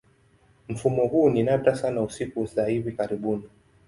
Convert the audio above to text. Mfumo huu ni nadra sana siku za hivi karibuni.